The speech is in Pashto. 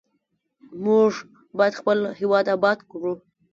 موږ باید خپل هیواد آباد کړو.